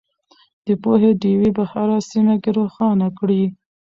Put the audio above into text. د پوهې ډیوې په هره سیمه کې روښانه کړئ.